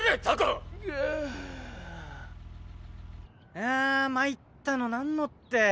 いや参ったのなんのって。